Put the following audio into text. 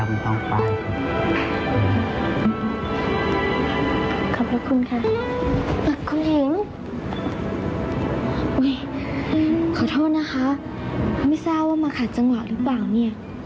ขอโทษนะคะไม่ทราบว่ามาขาดจังหวะหรือเปล่าเนี่ย